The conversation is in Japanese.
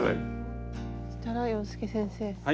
そしたら洋輔先生